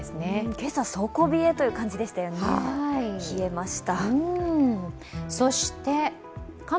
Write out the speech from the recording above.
今朝、底冷えという感じでしたよね、冷えました。